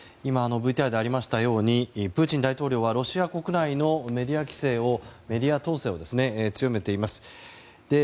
ＶＴＲでありましたようにプーチン大統領はロシア国内のメディア統制を強めています。